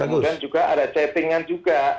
kemudian juga ada chatting nya juga